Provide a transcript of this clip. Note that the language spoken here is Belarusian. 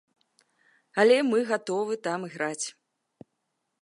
Але мы гатовы там іграць.